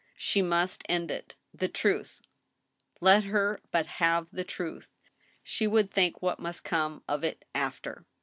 She must end it. The truth— let her but have the truth ! She would think what must come of it after.